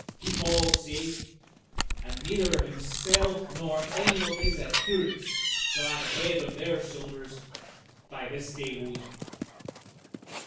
Keep all safe, and neither himself nor any of his adherents shall have a head on their shoulders by this day week."